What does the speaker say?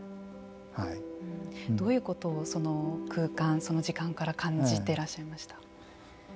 どういうことをその空間、その時間から感じてらっしゃいましたか。